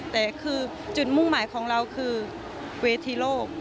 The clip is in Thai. แต่คือจุดมุ่งหมายของเราคือเวทีโลก